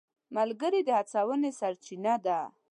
ملګري د هڅونې سرچینه دي.